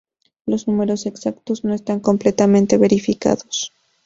Los números exactos no están completamente verificados.